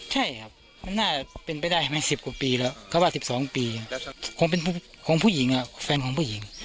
ใช่ครับมันน่าเป็นไปได้ไหม๑๐กว่าปีแล้วเขาว่า๑๒ปีคงเป็นของผู้หญิงแฟนของผู้หญิง